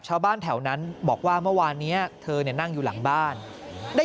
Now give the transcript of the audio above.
ชาวบ้านแถวนั้นบอกว่าเมื่อวานนี้เธอเนี่ยนั่งอยู่หลังบ้านได้